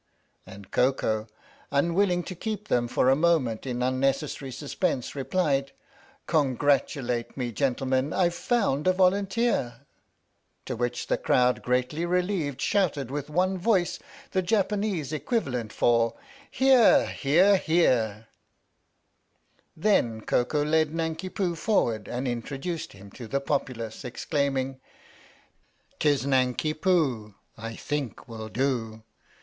And Koko, unwilling to keep them for a moment in unnecessary suspense, replied : Congratulate me, gentlemen, I've found a volunteer ! To which the crowd, greatly relieved, shouted with one voice the Japanese equivalent for Hear, hear, hear ! 61 THE STORY OF THE MIKADO Then Koko led Nanki Poo forward and introduced him to the populace, exclaiming : Tis Nanki Poo I think will do?